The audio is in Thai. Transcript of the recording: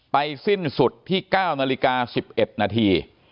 สิ้นสุดที่๙นาฬิกา๑๑นาที